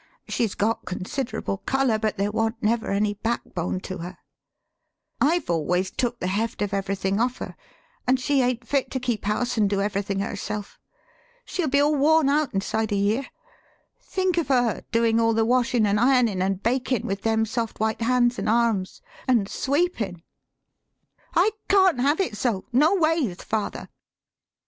She's got considerable color, but there wa'n't never any backbone to her. I've always took the heft of everything off her, an' she ain't fit to keep house an' do everything herself. She'll be all worn out inside a year. Think of her doin* all the washin' an' ironin' an' bakin' with them soft white hands an' arms, an' sweepin'! I can't have it so, noways, father."